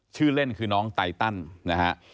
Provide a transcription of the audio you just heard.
ชื่อเล่นคือน้องไตตันนะฮะ